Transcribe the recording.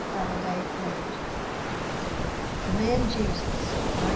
Doubleday, Page. The Man Jesus, 1915.